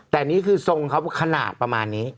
แต่นี่คือทรงเขาขนาดประมาณนี้